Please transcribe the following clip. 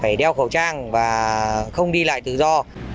phải đeo khẩu trang và không đi lại tự do